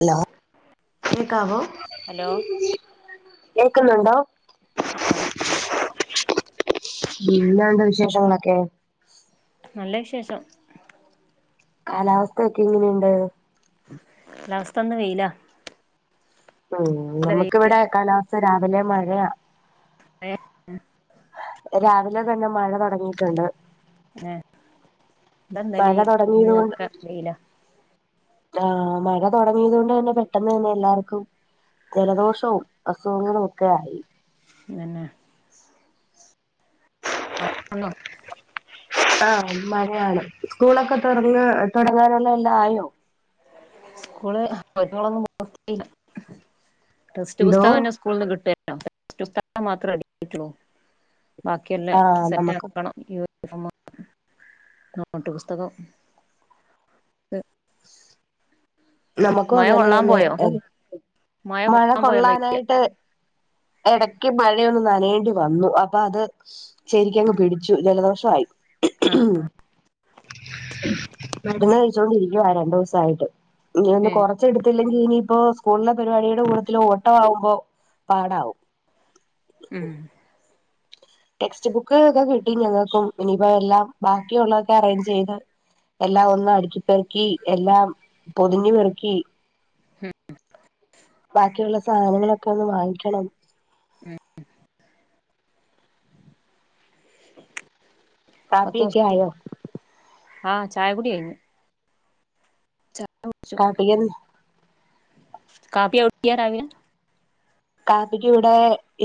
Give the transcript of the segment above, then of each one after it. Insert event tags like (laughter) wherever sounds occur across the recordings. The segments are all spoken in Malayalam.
ഹലോ കേക്കാവോ ഹലോ കേക്ക്‌ന്ന്ണ്ടോ ആ ഇണ്ട് പിന്നെന്താ വിശേഷങ്ങളൊക്കെ നല്ല വിശേഷം കാലാവസ്ഥയൊക്കെ എങ്ങനെണ്ട് കാലാവസ്ഥ ഇന്ന് വെയ്ലാ ഉം വെയിലാ നമുക്കിവടെ കാലാവസ്ഥ രാവിലെ മഴയാ ഏഹ് രാവിലെ തന്നെ മഴ തൊടങ്ങീറ്റ്ണ്ട് ആഹ് ഇതെന്താലും മഴ ഈ തുടങ്ങിയത് കൊണ്ട് ന്നൊക്ക വെയിലാ ആഹ് മഴ തൊടങ്ങീതോണ്ടെന്നെ പെട്ടെന്ന് തന്നെ എല്ലാർക്കും ജലദോഷോം അസുഖങ്ങളൊക്കായി തെന്നെ മറ്റ (unintelligible) ആഹ് മഴയാണ് സ്കൂളൊക്ക തൊറന്ന് തൊടങ്ങാനുള്ള എല്ലായോ സ്കൂള് (unintelligible) ടെസ്റ്റ് എന്തോ പുസ്തകെന്നെ സ് സ്കൂള്ന്ന് കിട്ടൊല്ലോ (unintelligible) ബാക്കിയെല്ലാ ആഹ് നമുക്ക് സെറ്റാക്കണം (unintelligible) നോട്ട് പുസ്തകം നമുക്കും മഴ അങ്ങനെ കൊള്ളാൻ തന്നെ പോയോ മഴ കൊള്ളാൻ പോയോന്ന് കൊള്ളാനായിട്ട് എടയ്ക്ക് മഴയൊന്ന് നനയേണ്ടി വന്നു അപ്പൊ അത് ശെരിക്കങ്ങ് പിടിച്ചു ജലദോഷായി മരുന്ന് കഴിച്ചോണ്ടിരിക്കുവ രണ്ടൂസായിട്ട് ഇനിയൊന്ന് ഉം കൊറച്ച്ട്ത്തില്ലെങ്കിൽ ഇനിയിപ്പോ സ്കൂളിലെ പരിപാടിയുടെ കൂടത്തിൽ ഓട്ടാവുമ്പോ പാടാവും ഉം ടെക്സ്റ്റ് ബുക്ക് ഒക്കെ കിട്ടി ഞങ്ങൾക്കും ഇനിപ്പോ എല്ലാം ബാക്കിയുള്ളതൊക്കെ അറേഞ്ച് ചെയ്ത് എല്ലാം ഒന്ന് അടുക്കി പെറുക്കി എല്ലാം പൊതിഞ്ഞു പെറുക്കി ബാക്കിയുള്ള സാധനങ്ങളൊക്കെ ഒന്ന് വാങ്ങിക്കണം ഉം പത്തു കാപ്പിയൊക്കെ ദിവ ആയോ ആഹ് ചായ കുടി കഴിഞ്ഞു ചായ കാപ്പിക്ക് കാപ്പി കുടിക്കാറ് ആയോ കാപ്പിക്ക് ഇവടെ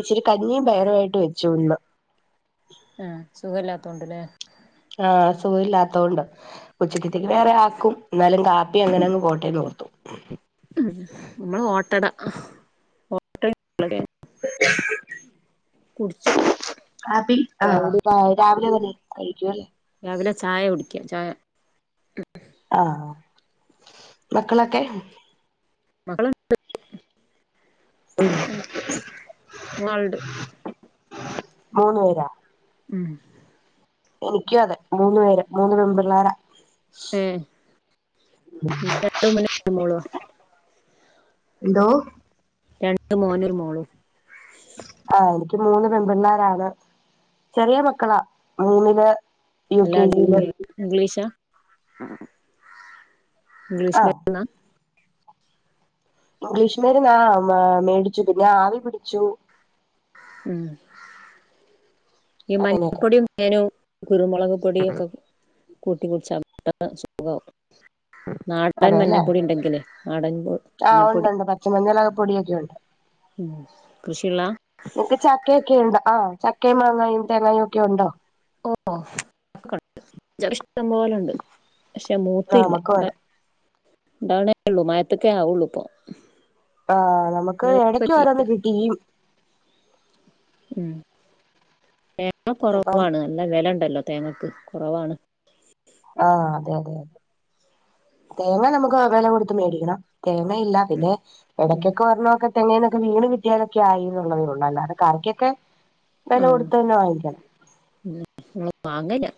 ഇച്ചിരി കഞ്ഞിയും പയറും ആയിട്ട് വെച്ചു ഇന്ന് ആഹ് സുഖമില്ലാത്ത കൊണ്ടല്ലേ ആഹ് അ സുഖമില്ലാത്തോണ്ട് ഉച്ചക്കത്തേക്ക് വേറെ ആക്കും എന്നാലും കാപ്പി അങ്ങനങ്ങ് പോട്ടേന്ന് ഓർത്തു ഉം നമ്മള് ഓട്ടട (unintelligible) കുടിച്ചു കാപ്പി ചായകുടി ആഹ് രാവിലെ തന്നെ കഴിക്കൂല്ലേ രാവിലെ ചായ കുടിക്കുക ചായ ആഹ് മക്കളൊക്കെ മകളുണ്ട് ഉം വേൾഡ് മൂന്ന് പേരാ ഉം എനിക്കും അതെ മൂന്ന് പേരാ മൂന്ന് പെമ്പിള്ളേരാ ഉം ഒരു മോളുവാ എന്തോ രണ്ടു മോനും ഒരു മോളും ആഹ് എനിക്ക് മൂന്ന് പെൺപിള്ളേരാണ് ചെറിയ മക്കളാ മൂന്നില് യു അല്ലാ കെ ജിയില് ഇംഗ്ലീഷാ ഇംഗ്ലീഷ് ആഹ് മരുന്നാ ഇംഗ്ലീഷമരുന്നാ മേടിച്ചു പിന്നെ ആവി പിടിച്ചു ഉം ഈ അങ്ങനെയൊക്കെ മഞ്ഞപ്പൊടിയും ങ്ങാനും കുരുമുളക് പൊടിയൊക്കെ കൂട്ടി വെച്ചാൽ മതി അതാണ് സുഖവും നാടൻ അതെല്ലേ മഞ്ഞപ്പൊടി ഉണ്ടെങ്കിലേ നാടൻപ ആഹ് ഉണ്ട് ഉണ്ട് പച്ചമഞ്ഞള് പൊടിയൊക്കെ ഉണ്ട് ഉം ക്രിഷിയുള്ളയാ നിക്ക് ചക്കയൊക്കെ ഉണ്ടോ ആഹ് ചക്കയും മാങ്ങയും തേങ്ങുയും ഒക്കെ ഉണ്ടോ ഓ ചക്ക ഇഷ്ടം പോലുണ്ട് പക്ഷെ ആഹ് മൂത്തില്ല എ നമുക്കും അതെ ഇണ്ടാവണേ ഉള്ളൂ മാറ്റത്തെ ആവുള്ളു ഇപ്പൊ ആഹ് നമുക്ക് മൂപ്പ് ഇടക്ക് എത്തിയില്ല ഓരോന്ന് കിട്ടി ഉം തേങ്ങ ഇപ്പം കുറവാണ് നല്ല വില ഉണ്ടല്ലോ തേങ്ങക്ക് കുറവാണ് ആഹ് അതെ അതെ തേങ്ങ നമുക്ക് വില കൊടുത്ത് മേടിക്കണം തേങ്ങയില്ല പിന്നെ ഉം ഇടക്കൊക്കെ ഓരണവൊക്കെ തെങ്ങേന്നൊക്കെ വീണ് കിറ്റിയാലൊക്കെ ആയി എന്നുള്ളതേ ഉള്ളു അല്ലാതെ കറിക്കൊക്കെ വില കൊടുത്ത് തന്നെ വാങ്ങിക്കണം ഉം വാങ്ങന്നെ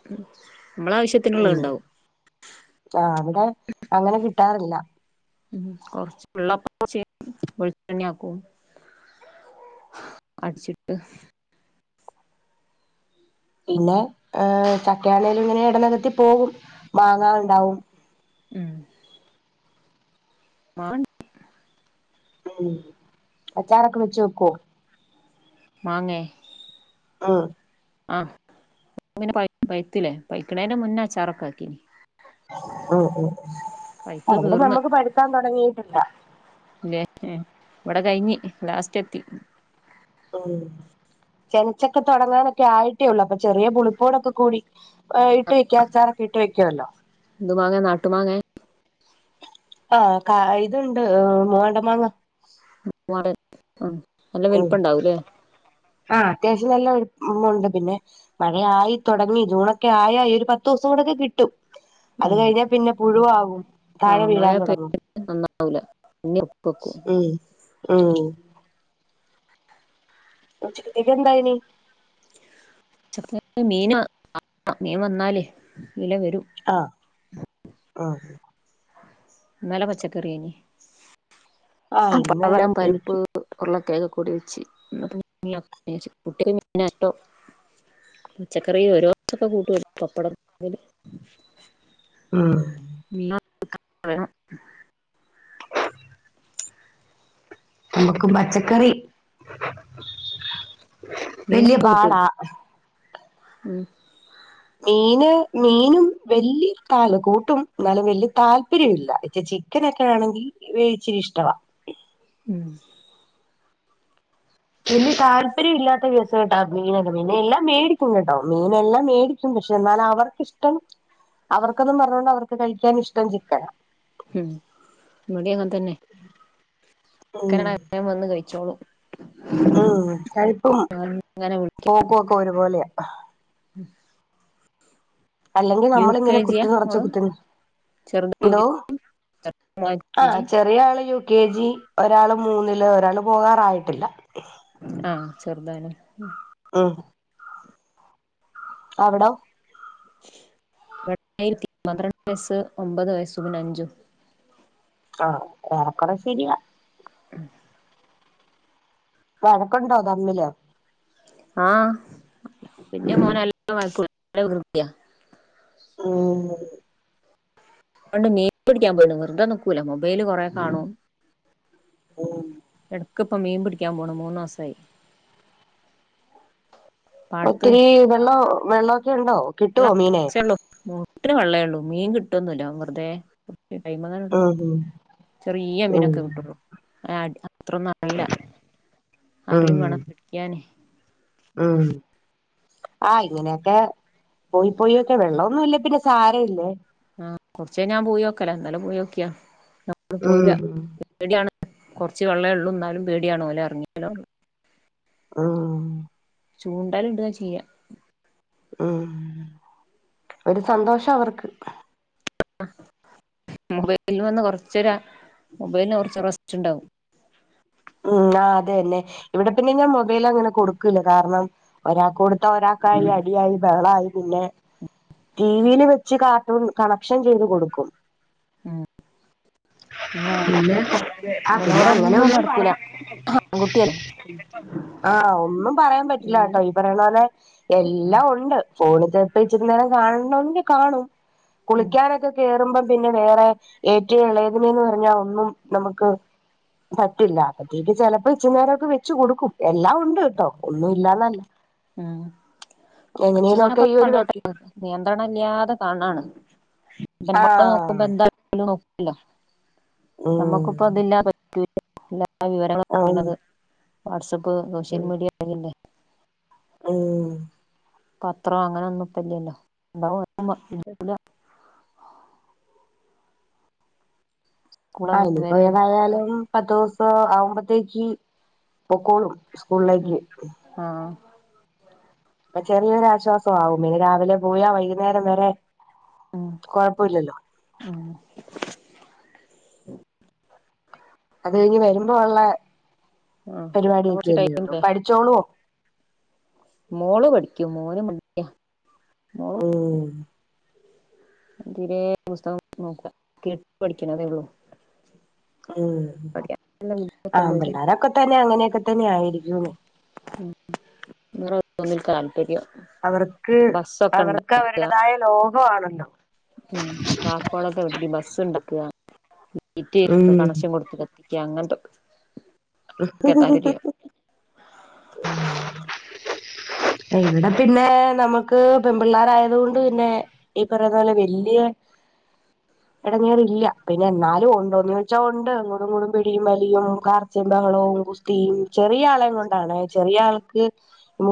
നമ്മളാവശ്യ ഉം ആഹ് ഇവിടെ അങ്ങനെ കിട്ടാറില്ല ഉം കൊറച്ച് ഉള്ളപ്പൊ വെളിച്ചണ്ണ ആക്കും അടിച്ചിട്ട് പിന്നെ ചക്കയാണേലും ഇങ്ങനെ ഇടനികത്തി പോകും മാങ്ങ ഉണ്ടാവും ഉം മാൻ ഉം അച്ചാറക്കെ വെച്ച് വെക്വോ? മാങ്ങേ ആഹ് ആഹ് ഇപ്പം പൈത്തില്ലേ പൈക്കണേന്റെ മുന്നേ അച്ചാറൊക്കെ ആക്കിനി. മ് മ് പൈത്ത് അവിടെ തീർന്ന് നമുക്ക് പഴ്ക്കാൻ തുടങ്ങിട്ടില്ല. ല്ലേ ഇവടെ കഴിഞ്ഞ് ലാസ്റ്റ് എത്തി. ഉം ചെൻചെക്കെ തുടങ്ങാനൊക്കെ ആയിട്ടേ ഉള്ളൂ അപ്പൊ ചെറിയ പുളിപ്പോടൊക്കെ കൂടി വൈകിട്ട് ഇട്ട്ക്കെ അച്ചാറൊക്കെ ഇട്ട് വെ ക്കുവല്ലോ- എന്തു മാങ്ങെ നാട്ടുമാങ്ങെ ആഹ് കാ ഇതുണ്ട് മൂവണ്ട മാങ്ങ- മൂവണ്ടൻ ഉം നല്ല ഉം വലിപ്പം ഉണ്ടാവൂല്ലേ? ആഹ് അത്യാവശ്യം നല്ല വലി മുണ്ട് പിന്നെ മഴയായി തൊടങ്ങി ജൂണൊക്കെ ആയായ് ഒരു പത്ത് ദെവസൊടൊക്കെ കിട്ടും. അത് ഉം കഴിഞ്ഞാ പിന്നെ പുഴുവാകും. താഴെ ആഹ് മഴ വീഴാൻ പ് തുടങ്ങും നന്നാവൂല ഇഞ്ഞ് ഉം ഉംഉം.. ഉച്ചക്കെക്കേന്തായിനി? ഉച്ചക്കകേക്കാ മീന് മീൻ വന്നാലേ ഇലേ വരും. ആഹ് അഹ്. ഇന്നലെ പച്ചക്കറിയായിനി. ആഹ് ഇന്ന് അപ്പട്ടവലം പരിപ്പ്. എനിക്ക് ഉരുളക്കെങ് ഒക്കെ കൂടി വെച്ച് (unintelligible) കുട്ടികൾക് മീനട്ടോ- പച്ചക്കറി ഓരോ ദിവസൊക്കെ കൂട്ട് പപ്പടം പോലും. ഉം. (unintelligible) നമ്മക്കും പച്ചക്കറി വലിയ മീനൊക്കെ കൂ പാടാ (unintelligible) മീന് മീനും വല്ല്യാ ത കൂട്ടും എന്നാലും വല്ലിയ താല്പര്യം ഇല്ല ച ചി ക്കനൊക്കെ ആണെങ്കിൽ വേച്ചിരി ഇഷ്ട്ടാ- ഉം. പിന്നെ താല്പര്യം ഇല്ലാത്ത കേസ്കേട്ട മീനൊക്കെ മീന എല്ലാം മേടിക്കും കേട്ടോ മീനെല്ലാം മേടി പക്ഷെ എന്നാല അവർക്കിഷ്ടം അവർക്കതും പറഞ്ഞോണ്ട് അവർക്ക് കഴിക്കൻ ഇഷ്ടം ചിക്കന. ഉം ഇവിടിം അങ്ങതന്നെ- (inaudible) ക്കന എപ്പളെ വന്ന് കഴിച്ചോളും ഉം കഴിപ്പും അങ്ങനെ വിളിക്കും പോക്കുക്കെ ഒരുപോലെയ- അല്ലെങ്കിൽ യു കെ നമ്മളങ്ങനെ കുത്തി ജിയാ നിറച്ച മോള് കുത്തി ചെറുത് എന്തോ? യു കെ ആഹ് ജി ചെറിയ ആള് യു കെ ജി ഒരാള് മൂന്നില് ഒരാള് പോകാറായിട്ടില്ല. ആഹ് ചെറുതാലെ ഉം അവ്ടം (unintelligible) യെട്ട്യിരത്തി പന്ത്രണ്ട് വയസ്സ് ഒമ്പത് വയസ്സു പിന്നെ അഞ്ചും ആഹ് ഓർക്കണ ശരിയാ. ഉം. വഴക്കുണ്ടോ തമ്മില് ആഹ് പിന്ന മോന (unintelligible) മ്മ് പണ്ട് മീ പിടിക്കാൻ പോയിന് വെർതെ നിക്കൂല മൊബൈല് കുറേ കാണ്ണും ഉം ഇടക്കപ്പ മീൻ പിടിക്കാൻ പോണം മൂന്ന മാസമായി പാടത്ത് ഒത്തിരി വെള്ളം വെള്ളമൊക്കെ ഉണ്ടോ കിട്ടുവോ മീനെ ള്ളട്ടന് വള്ളേള്ളൂ മീൻ കിട്ടുവൊന്നുമല്ല വെുതെൈമങ്ങ ഉം ചെറിയ ഉം മീനൊക്കെ കിട്ടുള്ളു അത്ര നല്ല അറിയും ഉം വേണം പിടിക്കാന് ഉം ആഹ ഇങ്ങനെയൊക്കെ പോയി പോയി ഒക്കെ വെള്ള ഒന്നുമ ഇല്ല പിന്നെ സാര ഇല്ലേ ആഹ് കുറച്ച ഞാൻ പോയിഒക്കല എന്നാലും പോയിക്കിയാ ന പോരാ ഉം പേടിയാണ് കുറച്ച് വെള്ളംള്ളം എന്നാലും പേടിയാണ് പോഓലെ ഇറങ്ങിയാലുംള്ള ആഹ് ചൂണ്ടാലും ഇണ്ടതാ ചെയ്യാം ഉം ഒരു സന്തോഷം അവർക്ക് മൊബൈലന് വന്ന് കൊറച്ച മൊബൈലിന് കൊറച്ച് റസ്റ്റ് ഉണ്ടാാവും ഉം ആ അത തന്നെ ഇവിടെ പിന്നെ ഞാൻ മൊബൈൽ അങ്ങനെ കൊടുക്കൂല കാരണം ഒരാൾക്ക് കൊടുത്ത ഒരാൾക്കായി അടിയായി ബഹളായി പിന്നെ ടിവിയിൽ വെച്ച് കാർട്ടൂൺ കണക്ഷൻ ചെയ്ത് കൊടുക്കും ഉം പിന്നാ ന ആ അങ്ങനെ ഇവനോടൊന്നും ഒന്നും പറ നടക്കൂല ആൺകുട്ടിയല്ലേ ആഹ് ഒന്നും പറയാൻ പറ്റില്ല ഇല്ല കേട്ടോ പറയണ പോലെ എല്ലാം ഉണ്ട് ഫോണിൽ തപ്പച്ചിരുന്നേരം കാണണോങ്കിൽ കാണും കുളിക്കാനൊക്കെ കേറുമ്പം പിന്നെ വേറെ ഏറ്റളേദന്നെന് പറഞ്ഞാൽ ഒന്നും നമുക്ക് പറ്റില്ല അത്തേക്ക് ചെപ്പോ ഇച്ച നേരക്കെ വെച്ചു കൊടുക്കും എല്ലാം ഉണ്ട് കേട്ടോ ഒന്നും ഇല്ലാന്നല്ല ഉം കൊറച്ചു എങ്ങനെലുമൊക്കെ തവണക്കെ ഈ ഒരു കണ്ടോട്ട വെക്ക് നിയന്ത്രണം ഇല്ലാതെ തണാണ് നമ്മള് നോക്കുമ്പ ആഹ് എന്ത നോ ഉം നമ്മക്കിപ്പ ഇതില്ലാ വിവരങ്ങൾ ആഹ് പറയത് വാട്സആപ്പ് സോഷ്യൽ മീഡിയല്ലേ ഓഹ് പത്രം അങ്ങനെ ഒന്നും ഇപ്പല്ലല്ലോ ഉണ്ടാവ ആഹ് സ്കൂള് ആ ഇനിയിപ്പോ വിവരേം ഏതായാലും പത്ത്ു ദിവസം ആവുമ്പോത്തേക്ക് പോക്കോളും സ്കൂളിലേക്ക് ആഹ് ഇപ്പൊ ചെറിയൊരാശ്വാസംമാവും ഇനി രാവിലെ പോയാ വൈകുന്നേരം വരെ ആഹ് കൊഴപ്പമില്ലല്ലോ ആഹ് അത് കഴിഞ്ഞ് വരുമ്പോ ഉള്ള ആഹ് പിന്നെ പരിപാടിയൊക്കെ കൊറച്ച് അല്ലേ ഉള്ളൂ ടൈമില്ലേ പഠിച്ചോളോ മോള് പഠിക്കും മോന് മടിയാ ഉം തിരെ പുസ്തകം നോക്കട്ട പഠിക്കണതെ ഉള്ളൂ ഉം പഠിക്കാൻ നല്ല ആ ബുദ്ധിയൊക്കെണ്ട് പക്ഷെ പിള്ളോരൊക്കെ തന്നെ അങ്ങനെയൊക്കെ തന്നെ ആയിരിക്കൂ ഉം എറ തോന്ന താല്പര്യം അവർക്ക് ബസ്സൊക്കെ ഇണ്ട അവർക്കവരുടേതായ ലോക വാണല്ലോ? ഉ ചാർക്കോളക്കെവെട്ടി ബസ്സ്ണ്ടാകാ ശീറ്റ് കീറി ഉം കണക്ഷൻ കൊട്ക്കാ അങ്ങൻത്തൊക്കെ ബ്ബഹജ്ജ്ജ് ഫ്ഫ്ഡ്‌സ്സ്സ്ഡ് ഇവിടെ പിന്നെ നമക്ക് പെംപിള്ളാരായത് കൊണ്ട് പിന്നെ ഈ പറയുന്നപോലെ വല്ല്യാ എടങ്ങേറില്ല പിന്നെയെന്നാലും ഉണ്ടോന്നോയ്ച്ചാ ഒണ്ട് അങ്ങോട്ടിങ്ങോടും പിടിയും വലിയും കാ ഒച്ചിം, ബഹളവും, ഗുസ്തിയും, ചെറിയാളെം കൊണ്ടാണേ ചെറിയാൾക്ക്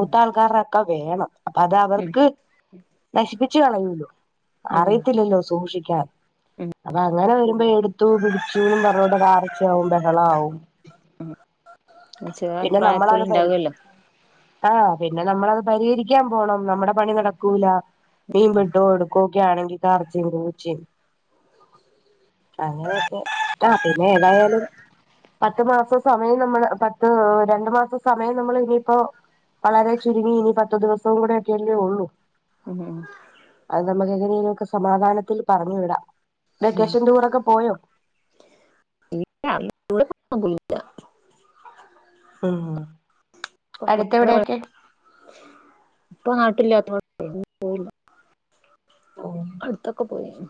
ഉം ക്കെ വേണം അപ്പതവർക്ക് നശിപ്പിച്ചു കളയൂല്ലോ? ഉം അറിയത്തില്ലല്ലോ സൂക്ഷിക്കാൻ അപ്പ അങ്ങനെ വരുമ്പോയെടുത്തു പിടിച്ചൂന്നും പറഞ്ഞോണ്ട് അതാർച്ചയാവും, ബഹളാവും ഉം പിന്നെ നമ്മളത് പരി ചെലപ്രായത്തില്ണ്ടാവല്ലോ? ആഹ് പിന്നെ നമ്മളത് പരിഹരിക്കാൻ പോണം നമ്മടെ പണി നടക്കൂല മീൻ വെട്ടോ എടുക്കോക്കെയാണെങ്കി കറച്ചയും കൂച്ചയും അങ്ങനെയെക്കെ ആ പിന്നെയേതായാലും പത്ത് മാസം സമയം നമ്മള് പത്ത് രണ്ടു മാസം സമയം നമ്മള് യിനിയിപ്പോ വളരെ ചുരുങ്ങി ഇനി പത്തം ദിവസം കൂടെയൊക്കെല്ലേയൊള്ളൂ ഉം അത് നമുക്ക് എങ്ങനേലുവൊക്കെ സമാധാനത്തില് പറഞ്ഞു വിടാം വെക്കേഷൻ ടൂറൊക്കെ പോയോ? ഇല്ല (unintelligible) ആഹ് അടുത്തെവിടെയെക്കെ? ഇപ്പ നാട്ടില്ലാത്തോണ്ട് പോവില്ല അടുത്തൊക്കെ പോയിന്നു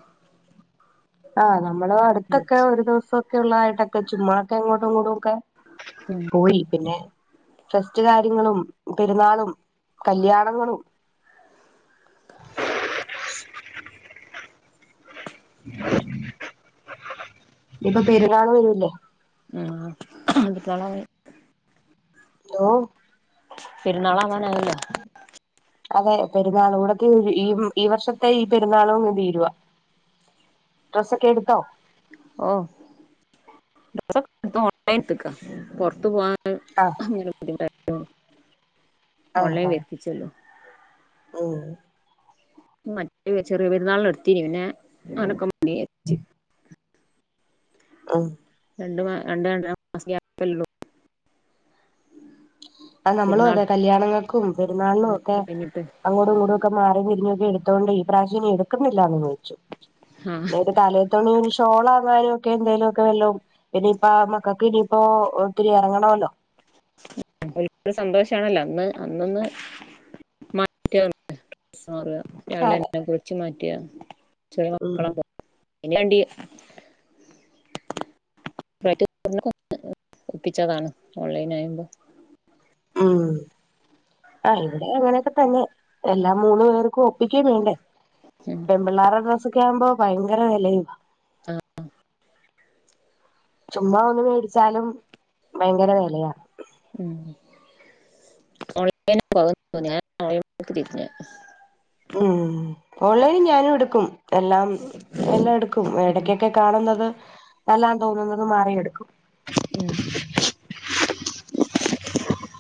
ആഹ് നമ്മള് ഉം അടുത്തൊക്കെ ഒരു ദിവസമൊക്കെ ഉള്ളതായിട്ടൊക്കെ ചുമ്മാതെ അങ്ങോട്ടുങ്ങോട്ടുവൊക്കെ ഉം പോയി പിന്നെ ഫെസ്റ്റ് കാര്യങ്ങളും, പെരുന്നാളും, കല്യാണങ്ങളും ഇഞ്ഞിപ്പൊ പെരുന്നാള് വരെല്ലേ? ആഹ് (unintelligible) ഓഹോ പെരുന്നാളാവാനായല്ലോ അതെ പെരുന്നാളും കൂടെ തീരു ഈ ഈ വർഷത്തെ ഈ പെരുന്നാളുവങ്ങ് തീരുവാ ഡ്രസ്സൊക്കെയെടുത്തോ? ഓ ഡ്രെസ്സൊക്കെട്ത്ത് ഓൺലൈനില്ട്ത്തെക്ക പൊർത്ത് പോവാൻ ആ ബുദ്ധിമുട്ടായോണ്ട് ഓൺലൈൻ വെര്ത്തിച്ചെല്ലോം ഓഹ് മറ്റേ ചെറിയ പെരുന്നാളിന്ടുത്തീനി പിന്നെ അങ്ങനൊക്കെ മതി വെച്ച് ആഹ് രണ്ട് മാ രണ്ട് രണ്ടരമാസത്തെ ക്യാപെല്ലെള്ളു ആ നമ്മളും പെരുന്നാൾ അതെ കല്യാണങ്ങൾക്കും, പെരുന്നാളിനുവൊക്കെ കഴിഞ്ഞിട്ട് അങ്ങോടുയിങ്ങോട്ടുവൊക്കെ മാറി തിരിഞ്ഞൊക്കെയെടുത്തോണ്ട് ഇപ്രാവിശ്യം ഇനിയെടുക്കുന്നില്ല വിചാ രിച്ചു ആ പിന്നെ ഒരു തലയത്തോണി ഒരു ഷോളാങ്ങാനും ഒക്കെന്തേലുവൊക്കെ വെല്ലോം പിനിയിപ്പ മക്കൾക്ക് ഇനിയിപ്പോ ഒത്തിരി എറങ്ങണവല്ലോ? (unintelligible) സന്തോഷാണല്ലോ അന്ന് അന്നൊന്ന് മാറ്റോൾക്ക് (unintelligible) അതെ രാവിലെന്നെ കുളിച്ച് മാറ്റിയ ചെറിയ ഉം മക്കളാവുമ്പോ അയിന് വേണ്ടി (unintelligible) ഒപ്പിച്ചതാണ് ഓൺലൈനായുമ്പോ ആ ആ ഇവിടെ അങ്ങനെയൊക്കെ തന്നെ എല്ലാം മൂന്ന് പേർക്കും ഒപ്പിക്കയും വേണ്ടേ (unintelligible) പെൺ പിള്ളാരെ ഡ്രസ്സൊക്കെ ആകുമ്പോ ഭയങ്കര വെലീം ആ ആ ചുമ്മാ ഒന്ന് മേടിച്ചാലും ഭയങ്കര വെലയ ഉം ഓൺലൈൻ പോ ഞാൻ ഓൺലൈനിമക്ക് തിരിഞ്ഞെ ഉം ഓൺലൈനി ഞാനും എടുക്കും എല്ലാം എല്ലാം എടുക്കും എടക്കൊക്കെ കാണുന്നത് നല്ലതാ തോന്നുന്നത് മാറിയെടുക്കും ഉം